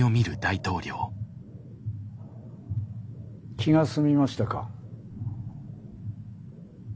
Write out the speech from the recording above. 気が済みましたか？